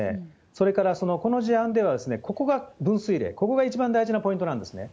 それからこの事案では、ここが分水れい、ここが一番大事なポイントなんですね。